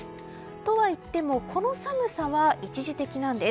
とはいってもこの寒さは一時的なんです。